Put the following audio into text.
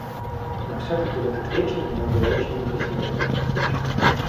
Но всё-таки в этот вечер ему было очень не по себе.